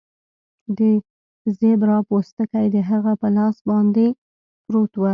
د زیبرا پوستکی د هغه په لاس باندې پروت و